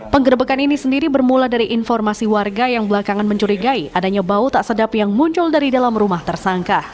penggerebekan ini sendiri bermula dari informasi warga yang belakangan mencurigai adanya bau tak sedap yang muncul dari dalam rumah tersangka